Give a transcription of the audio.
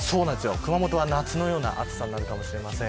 熊本は夏のような暑さになるかもしれません。